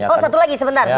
oh satu lagi sebentar